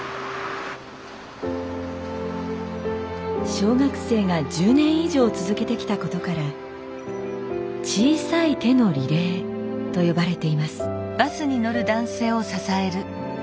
小学生が１０年以上続けてきたことから「小さい手のリレー」と呼ばれています。